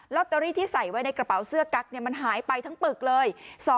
ตเตอรี่ที่ใส่ไว้ในกระเป๋าเสื้อกั๊กมันหายไปทั้งปึกเลย